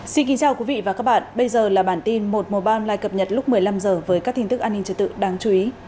xin kính chào quý vị và các bạn bây giờ là bản tin một mùa ban lại cập nhật lúc một mươi năm h với các tin tức an ninh trật tự đáng chú ý